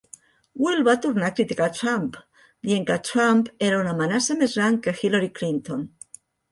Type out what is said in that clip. Will va tornar a criticar Trump, dient que Trump era una amenaça més gran que Hillary Clinton.